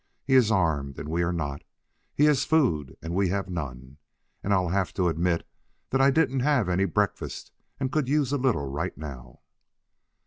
He is armed, and we are not; he has food, and we have none. And I'll have to admit that I didn't have any breakfast and could use a little right now."